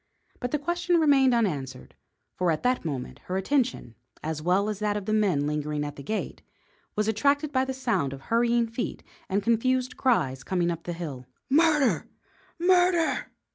But the question remained unanswered, for at that moment her attention, as well as that of the men lingering at the gate, was attracted by the sound of hurrying feet and confused cries coming up the hill. "Murder! Murder!"